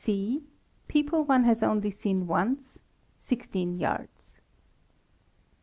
F (c) People one has only seen once, 16 yards.